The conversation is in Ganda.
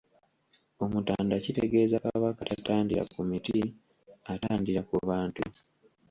Omutanda kitegeeza Kabaka tatandira ku miti, atandira ku bantu.